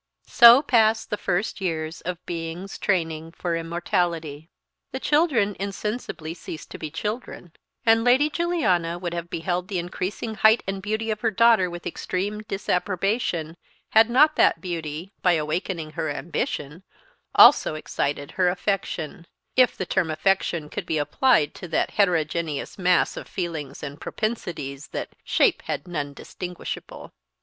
So passed the first years of beings training for immortality. The children insensibly ceased to be children, and Lady Juliana would have beheld the increasing height and beauty of her daughter with extreme disapprobation, had not that beauty, by awakening her ambition, also excited her affection, if the term affection could be applied to that heterogeneous mass of feelings and propensities that "shape had none distinguishable."